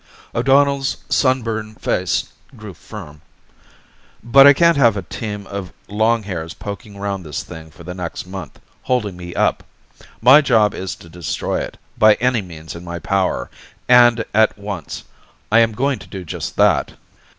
O'Donnell's sunburned face grew firm. "But I can't have a team of longhairs poking around this thing for the next month, holding me up. My job is to destroy it, by any means in my power, and at once. I am going to do just that."